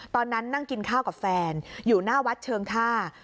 ตอนนั้นนั่งกินข้าวกับแฟนอยู่หน้าวัดเชิงท่า